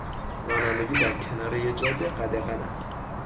رانندگی در کنارهی جاده قدغن است.